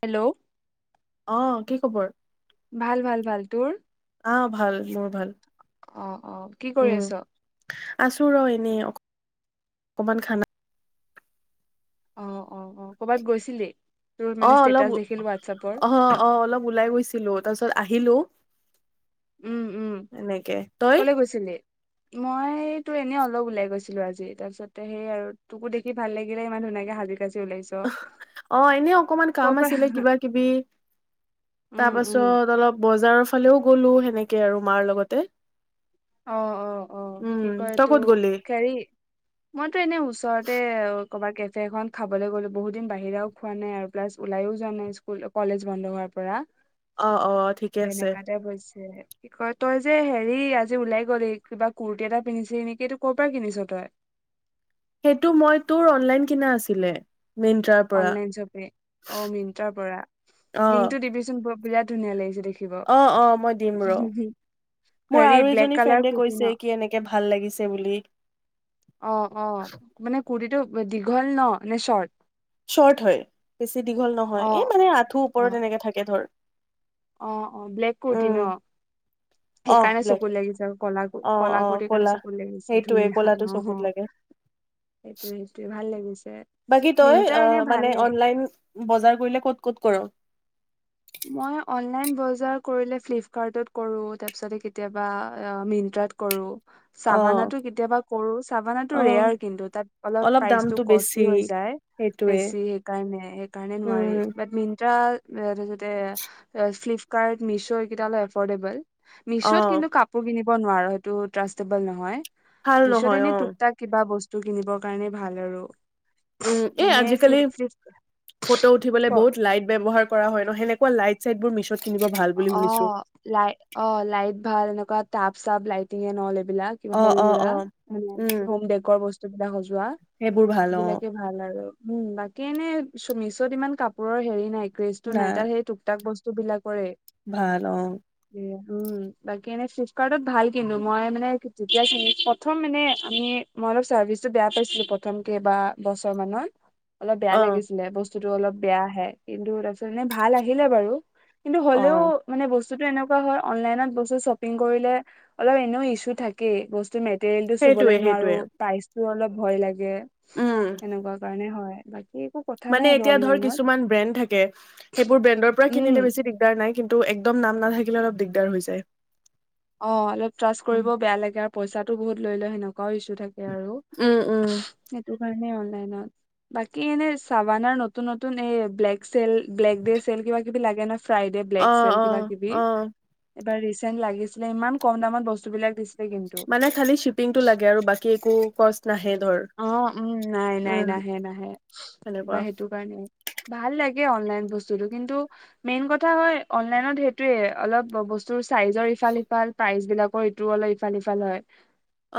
Hello অ কি খবৰ? ভাল ভাল ভাল। তোৰ? অ ভাল মোৰো ভাল। অ অ কি কৰি উম আছ আছো ৰ এনেই অ অকমান খানা অ অ অ কৰ'বাত গৈছিল? অ অলপ অ অ অলপ ওলাই গৈছিলো তাৰপিছত আহিলো। উম উম এনেকে তই। কলে গৈছিলি মই তো এনেই অলপ উওলাই গৈছিলো আজি তাৰপিছতে সেই আৰু তোকো দেখি ভাল লাগিলে ইমান ধুনীয়াকে হাজি। অ এনে অকমান কাম ক' পৰা আছিলে কিবা কিবি উম উম তাৰপাছত অলপ বজাৰৰ ফালেওঁ। গলো সেনেকে আৰু মাৰ লগতে। অ অ অ উম, কি কয় তই ইটো ক'ত গ'লি? হৰি মইতো এনে ওচৰতে। ক'ৰবাত কেফে এখন খাবলৈ গ'লো বহুত দিন বাহিৰাও খোৱা নাই আৰু প্লাছ ওলাইও যোৱা নাই স্কুল কলেজ বন্ধ হোৱাৰ পৰা। অ অ অ ঠিকে আছে। এনেকাতে বৈছে কি কয় তই যে হেৰি আজি। ওলাই গ'ল এই কিবা কুৰ্তি এটা পিন্ধিছে নেকি এইটো ক'ৰ পৰা কিনিছ তই। সেইটো মই তোৰ অনলাইন কিনা আছিলে। মিন্ত্ৰাৰ পৰা অনলাইন শ্বপে অ মিনটাৰ পৰা অ', লিংকটো দিবিচোন ব। বিৰাট ধুনীয়া লাগিছে দেই। অ অ মই দিম ৰ মোৰ হেৰি আৰু ব্লেক এজনী কালাৰ ফ্ৰেণ্ডে কুৰ্তি ন কৈছে কি এনেকে ভাল। ভাল লাগিছে বুলি। অ অ মানে কুৰটিটো। দীঘল ন নে শৰ্ট। শৰ্ট হয় বেছি দীঘল নহয় অ এই মানে আঁঠু অ ওপৰত এনেকে থাকে ধৰ। অ অ ব্লেক কুৰটি ন। উম অহ সেইকাৰণে ব্লেক চকু লাগিছে আৰু কলা অ অ কলাাকুৰ্টিৰ কাৰণে ক'লা চকু লাগিছে সেইটোৱে ধুনীয়া ক'লাটো অ চকুত লাগে সেইটোে সেইটোয়ে ভাল লাগিছে বাকী তই মিট্ৰা অ এনে মানে ভালেই। অনলাইন বজাৰ কৰিলে ক'ত ক'ত কৰ মই অনলাইন বজাৰ কৰিলে ফিল্টাৰটো কৰো তাৰপাছতে কেতিয়াবা মেট্ৰিকত কৰো। অ চাবানাটো কেতিয়াবা কৰো অ চাবানাটো ৰেয়াৰ কিন্তু তাত অলপ প্ৰাচ দামটো বেছি কষ্টল হৈ যায় সেইটোৱে বেছি সেইকাৰণে সেইকাৰণে নোৱাৰি উম বাট। [unintelligible] এ এ ফ্লিপকাৰ্ট মিছ' এইকেইটা লৈ এফৰ্ডেবল। অ মিছত কিন্তু কাপোৰ পিন্ধি। ব নোৱাৰো সেইটো ট্ৰাষ্টবল নহয়। ভাল নহয় মিছত অ এনে টুকটা কিবা বস্তু। টো কিনিবৰ কাৰণেই ভাল আৰু। উম এ এনে আজিকালি ফ্লিপ ফ্লিপ ফটো উঠিবলে ক বহুত লাইট ব্য্ৱহাৰ কৰা হয় ন সেনেকে। Light চাইটবোত miss. অ লাই অ লাইট ভাল এনেকুৱা তাপ। চব লাইটিং এ নহলে। বিলাক অ সৰু অ সুৰা অ উম হম বেকৰ বস্তু। ুা [unintelligible] যোৱা সেইবোৰ ভাল অ এইবিলাকে ভাল আৰু উম বাকী এনে চমি। পিত ইমান কাপোৰৰ হেৰি নাই গ্ৰেচ টো নাই সেই টোকটাক বস্তু বস্তু বিলাকৰে ভাল অঁ উম বাকী এনেই চিপ কাৰ্টত ভাল কিনো মই মানে যেতিয়া প্ৰথম ম আমি মই অলপ চাৰ্ভিচটো বেয়া পাইছিলো প্ৰথম কে বা বছৰ মত অলপ বেয়া অ লাগিছিলে বস্তু বস্তুটো অলপ বেয়া আহে কিন্তু তাৰপিছত এনে ভাল আহিলে বাৰু অ তেওঁৰ মানে বস্তু বস্তুটো এনেকুৱা হয় অনলাইনত বস্তু শ্বপিং কৰিলে অলপ এনেও ইছু থাকেই বস্তু মেটেৰিয়েল টো চুবলৈ সেইটোৱে নোৱাৰো সেইটোৱে প্ৰাইচ তোৰ অলপ ভয় লাগে উম সেনেকুৱা কাৰণে হয় হয় বাকী একো কথা নাই মানে আৰু এতিয়া ধৰ অনলাইনত কিছুমান ব্ৰেণ্ড থাকে সেইবোৰ ব্ৰেণ্ডৰ পৰা উম কিনিলে বেছি দিগদাৰ নাই কিন্তু টো একদম নাম নাথাকিলে অলপ দিগদাৰ হৈ যায় অ অলপ ত্ৰাছ কৰিব উম বেয়া লাগে আৰু পইচাটো বহুত লৈ লয় ন কৰ ইছু থাকে আৰু উম সেইটো পাই নে অনলাইনত বাকি এনে চাবানৰ নতুন নতুন এ ব্লেক চেল ব্লেক চেল কিবা কিবি লাগে ন ফ্ৰাইডে ব্লেক অ চেল অ কিবা কিবি অ এবাৰ ৰিচেণ্ট লাগিছে ইমান কম দামত বস্তু বিলাক দিলে কিন্তু মানে খালি শ্বিপিংটো লাগে আৰু বাকী একো কষ্ট নাহে ধৰ অ উম নাই নাই উম নাহে নাহে কিবা সেনেকুৱা সেইটো কাৰণে ভাল লাগে অনলাইন বস্তুতটো কিন্তু মেইন কথা হয় অনলাইনত সেইটোয়ে অলপ বস্তুৰ চাইজৰ ইফাল সফাল ইফাল প্ৰাইচ বিলাকৰ এইটোও অলপ ইফাল স ইফাল হয়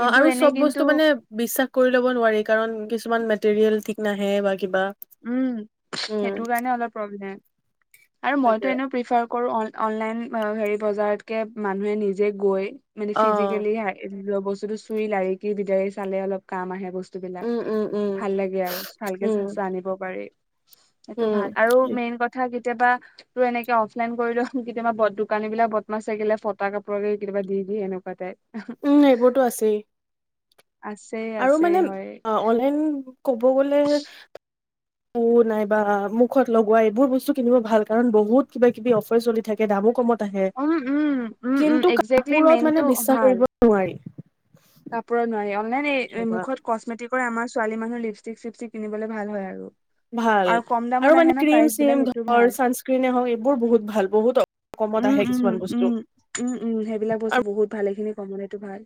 অ আৰু এনে চব কিন্তু বস্তু মানে বিশ্বাস কৰি লব নোৱাৰি কাৰণ কিছুমান মটেৰিয়েল ঠিক নাহে বাকী উম সেইটো কাৰণে অলপ প্ৰব্লেম আৰু মইতো সেইটোৱে এনে প্ৰিফাৰ কৰো আন অনলাইন হেৰি বজাৰতকে মানুহে নিজে গৈ মানে অ ফিজিকেলি হাই বস্তুটো চুই লাৰি কি দিগদাৰি চালে অলপ কাম আহে বস্তু বস্তু উম বিলাক উম উম ভাল লাগে আৰু ভালকে উম চ দিব পাৰি সেইটো উম ভাল আৰু মেইন কথা কি? কেতিয়াবা তোৰ এনেকে অফলাইন কৰিল কেতিয়াবা দোকানী বিলাক বদমা চ গিলে ফটা কাপোৰৰে কেতিাবা দি দি এনেকুৱা টাইপ উম এইবোৰতো আছেই আছে আৰু আছে মানে হয় অনলাইন ক গ'লে প নাইবা মুখত লগোৱা এইবোৰ বস্তু কিনিব ভাল কাৰণ বহুত কিবা কিবি অফাৰ চলি থাকে দামো কমত। থাকে। উম উম উম উম কিন্তু একজেক্টলি কাপোৰত মানে বিশ্বাস কৰিব নোৱাৰি। কাপোৰ নোৱাৰি মানে সেই সেনেকুৱা মুখত কচমেটিক আমাৰ ছোৱালী মানুহ লিপষ্টিক চিপষ্টিক কিনিবলৈ ভাল হয়। আৰু ভাল আৰু কম দামত আৰু আহে মানে ন ক্ৰীম প্ৰাইচ বিলাক চিম সেইটো ধৰ ভাল ছানস্ক্ৰিনে হওক এইবোৰ বহুত ভাল বহুত কমত উম আহে উম কিছুমান বস্তু উম উম উম সেইবিলাক বস্তু আৰু বহুত ভালেখিনি কবলেটো ভাল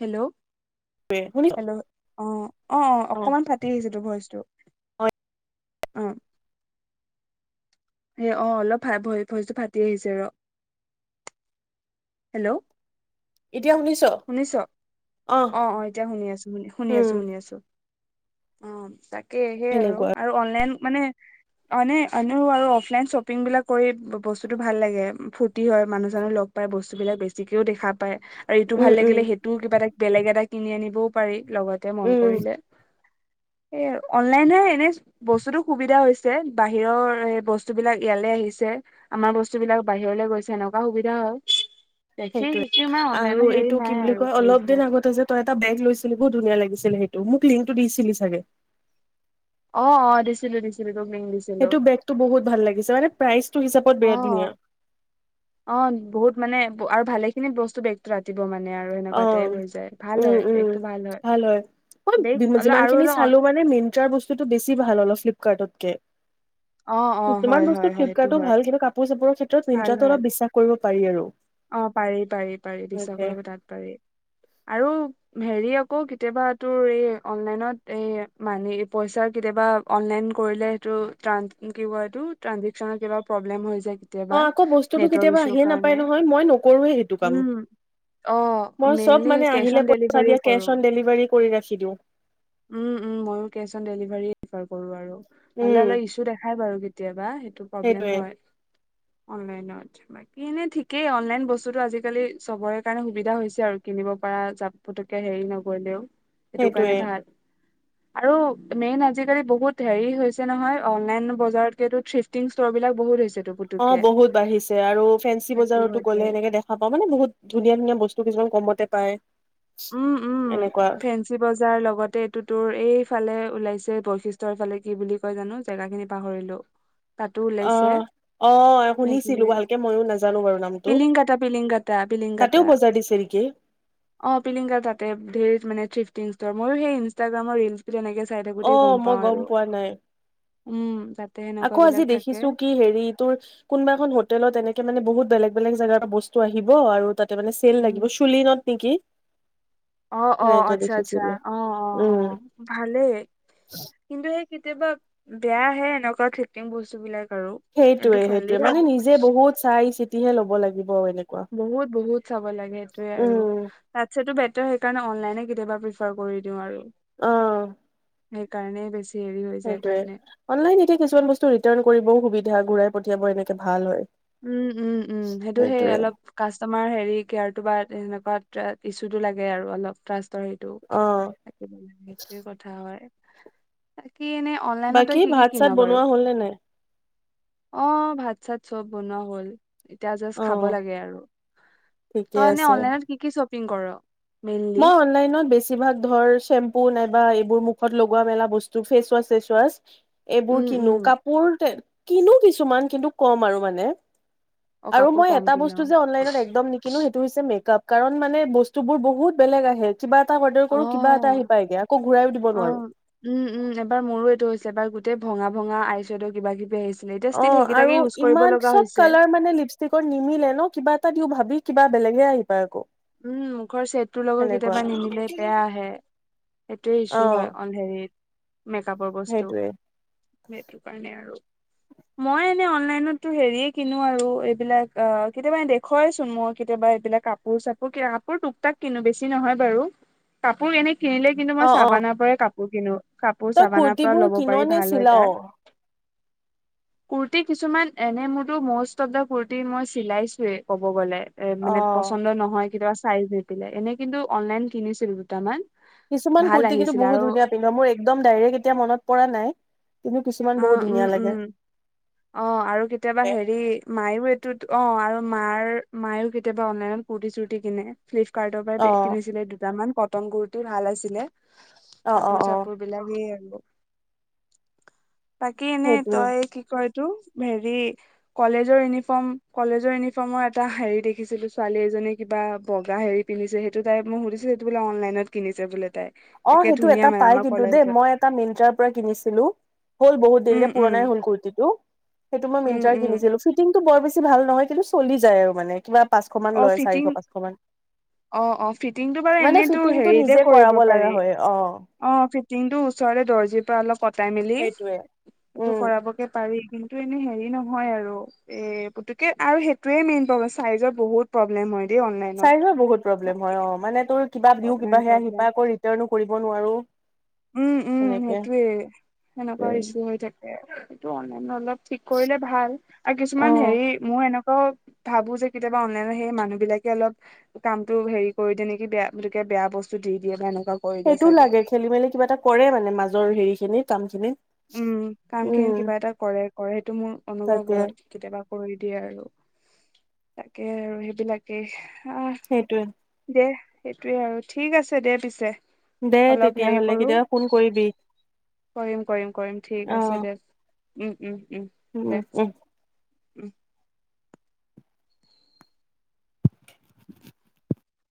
হেল্ল' শুনিছ হেল্ল' অ অ অ অকমান ফাটি আহিছে তো ভইচটো অ অ এই অ অলপ ভাই ভইচজটো ফাটি আহিছে ৰ হেল্ল' শুনিছ অ অ এতিয়া শুনি আছো শুনি শুনি উম আছো শুনি আছো। অ তাক সেয়হে আৰু সেনেকুৱা অনলাইন মানে আনে আনেও আৰু অফলাইন শ্বপিংবিলাক কৰি বস্তুটো ভাল লাগে ফূৰ্তি হয় মানুহজানো লগ পায় বস্তুবিলাক বেছিকেও দেখা পায়। আৰু এইটো ভাল উম উম লাগিলে সেইটোও কিবা এটা বেলেগ এটা কিনি আনি দিবপাৰি লগতে মন উম কৰিলে এ অনলাইনে এনে বস্তুতো সুবিধা হৈছে বাহিৰৰ এ বস্তু বস্তু বিলাক ইয়ালে আহিছে আমাৰ বস্তু বিলাক বাহিৰলে গৈছে এনেকুৱা সুবিধা হয়। দেখি সেইটোয়ে শিকি ইমান অনলাইনৰ আৰু হেৰি এইটো নাই কি বুলি আৰু কয় পেজ অলপ নাই দিন আগতে যে তই এটা বেগ লৈছিলে বহুত ধুনীয়া লাগিছিলে সেইটো মোক লিংকটো দিছিলি চাগে অ অ দিছিলো দিছিলো। তোক লিংক দিছিলো সেইটো বেগতটো বহুত ভাল লাগিছে মানে। প্ৰাইজ অ অ বহুত মানে ভালে খিনি বস্তু বেগতটো আতিব মানে আৰু অ, সেনেকুৱা টাইপ হৈ যায় ভাল উম হয় উম বেগটো ভাল হয়, মই বেগ অলপ আৰু যিমানখিনি অলপ চালো মানে মিন্ট্ৰাৰ বস্তুতটো বেছি ভাল, অলপ ফ্লপ কাটতকে অ অ কিছুমান হয় বস্তু হয় হয় সেইটো ফ্লিপকাৰ্টো হয় ভাল কিবা কাপোৰ চাপোৰৰ ক্ষেত্ৰত ভাল মিন্ত্ৰটো ভাল। অলপ বিশ্বাস কৰিব পাৰি আৰু অ পাৰি পাৰি পাৰি বিশ্বাস সেইটোৱে কৰিব তাত পাৰি। আৰু হেৰি আকৌ কেতিয়াবা তোৰ এই অনলাইনত এই মাহি পইচাৰ কেতিয়াবা অনলাইন কৰিলে সেইটো ট্ৰান‌ কি কয় এইটো ট্ৰানজেকচনত কিবা প্ৰব্লেম হৈ যায়। অ কেতিয়াবা আকৌ বস্তুতো নেটৰ কেতিয়াবা ইছ্যুৰ আহিয়ে নাপায় কাৰণে নহয়। মই নকৰোয়ে সেইটো কাম, উম অ মই চব মেইনলি মানে কেচ আহিলে অন পইচা ডেলিভাৰীয়ে দিয়া কৰো কেচ অন ডেলিভাৰী কৰি ৰাখি দিওঁ উম উম ময়ো কেচ অন ডেলিভাৰীয়ে পিফাৰ কৰো আৰু হলে উম অলে ইছ্যু দেখাই বাৰু কেতিয়াবা টো প্ৰব্লেম সেইটোৱে হয় অনলাইনত বাকী এনে ঠিকেই অনলাইন বস্তুটো আজিকালি চবৰে কাৰণে সুবিধা হৈছে আৰু কিনিব পৰা যা পুতুককে হেৰি নকৰিলেও সেইটো সেইটোৱে কাৰণে ভাল আৰু মেইন আজিকালি বহুত হেৰি হৈছে নহয় অনলাইন বজাৰতকেটো চিফটিং ষ্টৰ বিলাক বহুত হৈছে অ বহুত বাঢ়িছে আৰু ফেঞ্চি সেইটো বজাৰতো সৈতে গ'লে এনেকে দেখা পাও মানে বহুত ধুনীয়া ধুনীয়া বস্তু কিছুমান কমতে পায়। উম উম এনেকুৱা ফেঞ্চি বজাৰ লগতে এইটো তোৰ এইফালে ওলাইছে বৈশিষ্টৰ এফালে কি বুলি কয় জানো জেগা খিনি পাহৰিলো। তাতো অ ওলাইছে অ শুনিছিলো সেইখিনিয়ে ভালকে ময়ো নাজানো বাৰু নামটো পিলিংকাটা পিলিংকাটা পিলিংকাটা তাতেও বজাৰ দিছে নেকি অ পিলিংকা তাতে ধেৰ মানে চিফতিং ষ্টৰ ময়ো সেই ইনষ্টাগ্ৰামৰ ৰিলচ তেনেকে অ মই গম পোৱা নাই। উম তা আকৌ আজি দেখিছো কি হেৰি তোৰ কোনোবা এখন হোটেলত এনেকে মানে বহুত। বেলেগ বেলেগ জেগাত বস্তু আহিব আৰু তা তে মানে চেল উম লাগিব চুলিনত নেকি। অ অ সেনেকে আচ্ছা আচ্ছা দেখিছিলো অ অ অ উম ভালেই কিন্তু এই কেতিয়াবা বেয়াহে এনেকুৱা থ্ৰেটিং বস্তু বিলাক। আৰু। কিন্তু সেইটোয়ে সেইটোয়ে ভালেই মানে আৰু নিজে বহুত চাই চিতিহে লব লাগিব, এনেকে বহুত - বহুত চাব লাগে সেইটোৱে আৰু। উম তাতছেতো বেতাৰ সেইকাৰণে অনলাইন এনে কেতিয়াবা প্ৰিফাৰ কৰি দিওঁ আৰু। সেইকাৰণে বেছি হেৰি হৈ যায় সেইটোৱে। কাৰণে। অনলাইন এতিয়া কিছুমান বস্তু ৰিটাৰ্ণ কৰিবও সুবি ধা। ঘূৰাই পঠিয়াব এনেকে ভাল হয়। উম-উম-উম। সেইটো- সেই সেইটোৱে অলপ কাষ্টমাৰ হেৰি কেয়াৰটো বা সেনেকুৱা ত ইছ্যুতটো লাগে আৰু অলপ ট্ৰা ৰ সেইটো অ থাকিব লাগে। সেইটোৱে কথা হয়। [inaudible] অনলাইনত তই বাকী কি কি কিন ভাত-চাত বাৰু? বনোৱা হ'ল নে নাই? অ' ভাত-চাত চব বনোৱা হ'ল। এতিয়া জাষ্ট অ খাব লাগে আৰু। ঠিকে তই এনে আছে অনলাইনত কি কি শ্ব পিং কৰ? মেইনলি? মই অনলাইনত বেছিভাগ ধৰ চেম্পু নাই বা এইবোৰ মুখত লগোৱা-মেলা বস্তু, ফেচৱাছ-চেচৱাছ এইবোৰ উম, উম। কিনো। কাপোৰ তে কিনো কিছুমান। কিন্তু কম আৰু মানে। অ' আৰু কাপোৰ মই কম এটা কিন বস্তু যে অ', অনলাইনত একদম নিকিনোঁ। সেইটো হৈছে মেক-আপ। কাৰণ মানে বস্তুবোৰ বহুত বেলেগ আহে। কিবা এটা অৰ্ডাৰ কৰোঁ, কিবা এটা আহি পায়গে। আকৌ ঘূৰাইও দিব অ', নোৱাৰোঁ। উম, উম। এবাৰ মোৰো এইটো হৈছে এবাৰ গোটেই ভঙা ভঙা আইশ্বেদো কিবা-কিবি আহি অ'। আৰু ইমান চব কালাৰ মানে লিপষ্টিকৰ নিমিলে ন'? কিবা এটা দিওঁ ভাবি, কিবা বেলেগহে আহি পায় আকৌ। উম, মুখৰ চেটটোৰ লগত সেনেকুৱা কেতিয়াবা নিমিলে। বেয়া আহে। সেইটোৱে ইচ্যু অ' হয় অন- হেৰিত মেক-আপৰ বস্তু। সেইটোৱে। সেইটো কাৰণে আৰু। মই এনে অনলাইনতো হেৰিয়ে কিনো আৰু, এইবিলাক অ' কেতিয়াবা দেখুৱাইচোন মই, কেতিয়াবা এইবিলাক কাপোৰ-চা বোৰ কিনা কাপোৰ টুকটাক কিনো। বেছি নহয় বাৰু। কাপোৰ এনে কিনিলে কিন্তু মই অ', অ'। চাবানাৰ পৰাই কাপ বোৰ কিনো। কাপোৰ তই চাবানাৰ পৰা কুৰ্তিবোৰ ল'ব কিন পাৰি। নে ভাল হয় চিলাও? তাত। কুৰ্তি কিছুমান এনে মোৰতো মষ্ট অফ দা কুৰ্তি মই চিলাইছোৱে, ক'ব গ'লে। এ মানে অ' পচন্দ নহয়। কেতিয়াবা চাইজ নিমিলে এনে কিন্তু অনলাইন কিনিছিলো দুটামান কিছুমান ভাল কুৰ্তি কিন্তু আহিছিলে বহুত আৰু ধুনীয়া পিন্ধ মোৰ একদম ডাইৰেক্ট এতিয়া মনত পৰা নাই কিন্তু কিছুমান বহুত উম ধুনীয়া উম লাগে। উম অ আৰু কেতিয়াবা হেৰি মায়ো ত অ আৰু মাৰ মায়ও কেতিয়াবা অনলাইনত কূুৰ্তি চূুৰ্তি কিনে ফ্লিপকাৰ্টৰ পৰা অ', কন্ধিছিলে দুটামান কটন কুুৰ্তি ভাল আছিলে অ', কাপোৰ অ', অ' চাপোৰ বিলাকে ক বাকী এনেই সেইটোৱে। তই কি কৰি টো হেৰি কলেজৰ ইউনিফৰ্ম কলেজৰ ইউনিফৰ্মৰ এটা হেৰি দেখিছিলো ছোৱালী এজনে কিবা বগা হেৰি পিন্ধিছে সেইটো তাই মোক সুধিছে সেইটো বোলে অনলাইনত কিনিছে বোলে তাই অ একে সেইটো ধুনীয়া এটা মানে পাই আমাৰ কিন্তু দেই কলেজত মই এটা মিন্ট্ৰাৰ পৰা কিনিছিলো হ'ল বহুত উম এতিয়া উম পুৰণাই হল কুৰটি তো সেইটো মই উম মিন্তা উম কিনিছিলোঁ, ফিটিং বৰ বেছি ভাল নহয় কিন্তু চলি যায় আৰু মানে কিবা পাঁচশ মান অ লয় চাৰিশ ফিটিং পাঁচশ মান অ অ ফিটিংটো বাৰু মানে এনেইতো ফিটিংটো হেৰিতে নিজে কৰিব কৰাব লগা পাৰি হয় অ অ ফিটিং টো ওচৰে দৰ্জিৰ পৰা অলপ কটাই সেইটোয়ে সেইটো উম কৰাবকে পাৰি মোৰতো এনে হেৰি নহয় আৰু এ পুতুকে আৰু সেইটোয়ে মেইন প্ৰবলেম চাইজৰ বহুত প্ৰবলেম হয় দেই অনলাইনত চাইদ ৰ বহুত প্ৰব্লেম হয় অ মানে তোৰ কিবা দিও প্ৰব্লেম কিবাহে আহি পায় প্ৰব্লেম আকৌ ৰিটাৰ্নো কৰিব নোৱাৰো উম উম সেনেকে সেইটোয়ে সেনেকুৱা ৰিছু হৈ থাকে এইটো অনলাইন অলপ ঠিক কৰিলে ভাল আৰু অ কিছুমান হেৰি মোৰ এনেকা ত ভাবো যে কেতিয়াবা অনলাইন সেই মানুহ বিলাকে অলপ কামটো হেৰি কৰি দে নেকি বেয়া তেতিয়া বেয়া বস্তু দি দিয়ে বা ন সেইটোও লাগে খেলি মেলি কিবা এটা কৰে মানে মাজৰ হেৰি খিনি কাম খিনি উম কাম উম খিনি কিবা এটা কৰে কৰে সেইটো মোৰ অনুভৱ তাকে হয় কেতিয়াবা কৰি দিয়ে আৰু তাকে আৰু সেইবিলাকে অ সেইটোয়ে দে সেইটোৱে আৰু ঠিক আছে দে পিছে দে অলপ হেৰি তেতিয়াহ'লে কৰো কেতিয়াবা ফোন কৰিবি কৰিম কৰিম কৰিম ঠিক অ আছে দে উম উম উম দে উম